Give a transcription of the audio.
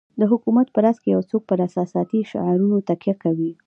د حکومت په راس کې یو څوک پر احساساتي شعارونو تکیه کوي.